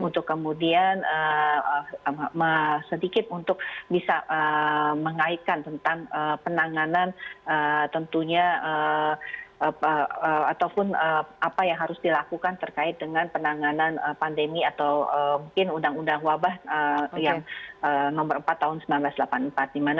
untuk kemudian sedikit untuk bisa mengaitkan tentang penanganan tentunya ataupun apa yang harus dilakukan terkait dengan penanganan pandemi atau mungkin undang undang wabah yang nomor empat tahun seribu sembilan ratus delapan puluh empat